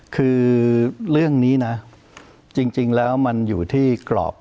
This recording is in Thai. คือเรื่องนี้นะจริงแล้วมันอยู่ที่กรอบ